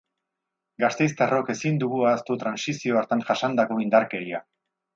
Gasteiztarrok ezin dugu ahaztu trantsizio hartan jasandako indarkeria.